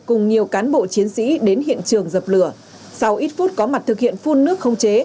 cùng nhiều cán bộ chiến sĩ đến hiện trường dập lửa sau ít phút có mặt thực hiện phun nước không chế